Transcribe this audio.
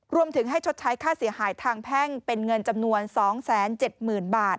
รวมถึงให้ชดใช้ค่าเสียหายทางแพ่งเป็นเงินจำนวน๒๗๐๐๐๐บาท